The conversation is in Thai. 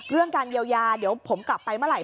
เรื่องการเยียวยาเดี๋ยวผมกลับไปเมื่อไห